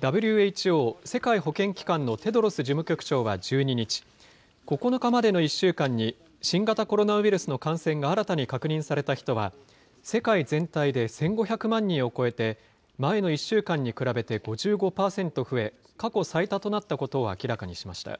ＷＨＯ・世界保健機関のテドロス事務局長は１２日、９日までの１週間に新型コロナウイルスの感染が新たに確認された人は、世界全体で１５００万人を超えて、前の１週間に比べて５５％増え、過去最多となったことを明らかにしました。